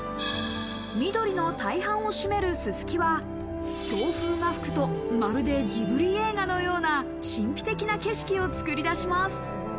緑の大半を占めるススキは強風が吹くと、まるでジブリ映画のような神秘的な景色をつくり出します。